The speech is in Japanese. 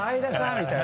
みたいな。